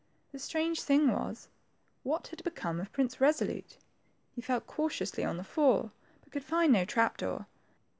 The strange thing was, what had become of Prince Kesolute. He felt cautiously on the floor, but could find no trap door.